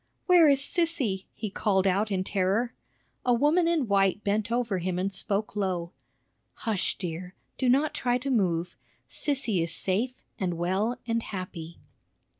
"Where is Sissy?" he called out in terror. A woman in white bent over him and spoke low: "Hush, dear; do not try to move. Sissy is safe and well and happy."